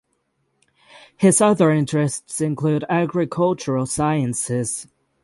His other interests included agricultural sciences.